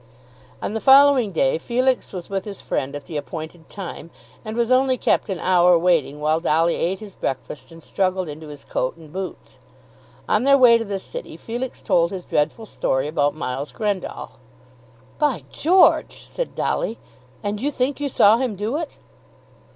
On the following day Felix was with his friend at the appointed time, and was only kept an hour waiting while Dolly ate his breakfast and struggled into his coat and boots. On their way to the city Felix told his dreadful story about Miles Grendall. "By George!" said Dolly. "And you think you saw him do it!"